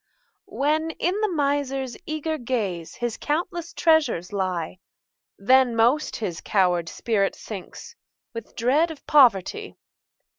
When, in the miser's eager gaze, His countless treasures lie, Then most his coward spirit sinks, With dread of poverty.